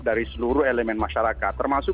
dari seluruh elemen masyarakat termasuk